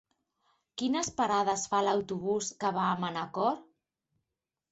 Quines parades fa l'autobús que va a Manacor?